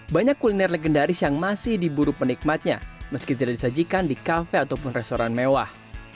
banyak kuliner legendaris yang masih diburu penikmatnya meski tidak disajikan di kafe ataupun restoran mewah